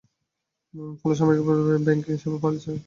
ফলে সামগ্রিকভাবে ব্যাংকিং সেবা বাড়ছে।